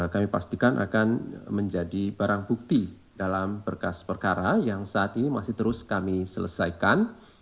kami pastikan akan menjadi barang bukti dalam berkas perkara yang saat ini masih terus kami selesaikan